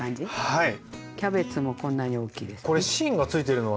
はい。